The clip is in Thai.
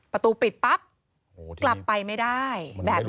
ประตูปิดปั๊บกลับไปไม่ได้แบบนี้